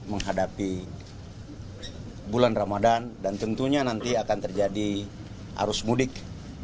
menghadapi bulan ramadan dan tentunya nanti akan terjadi arus mudik